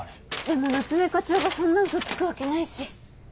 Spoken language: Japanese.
でも夏目課長がそんなウソつくわけないし。